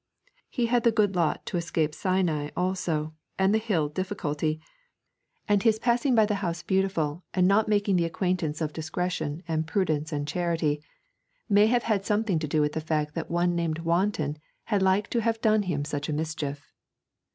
He had the good lot to escape Sinai also and the Hill Difficulty, and his passing by the House Beautiful and not making the acquaintance of Discretion and Prudence and Charity may have had something to do with the fact that one named Wanton had like to have done him such a mischief.